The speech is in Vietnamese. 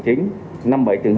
không đúng nơi quy định